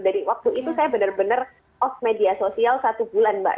dari waktu itu saya benar benar off media sosial satu bulan mbak